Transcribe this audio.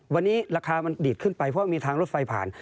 วันนี้ราคามันดีดขึ้นไปเพราะมีทางรถไฟผ่าน